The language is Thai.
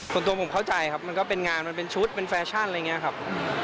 ส่วนตัวผมเข้าใจครับมันก็เป็นงานมันเป็นชุดเป็นแฟชั่นอะไรอย่างนี้ครับ